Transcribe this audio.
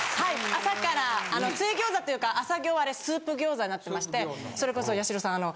あの水餃子というか朝餃はあれスープ餃子になってましてそれこそ八代さん